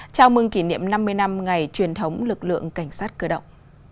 chào mừng kỷ niệm năm mươi năm ngày truyền thống lực lượng cảnh sát cơ động